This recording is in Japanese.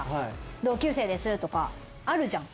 同級生ですとかあるじゃん？